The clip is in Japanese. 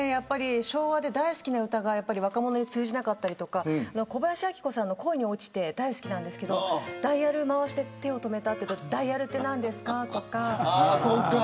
昭和で大好きな歌が若者に通じなかったり小林明子さんの恋におちて大好きなんですがダイヤル回して手を止めたってダイヤルって何ですか、とか。